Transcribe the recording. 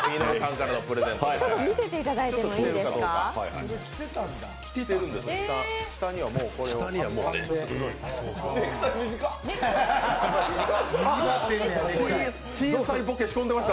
見せていただいてもいいですか？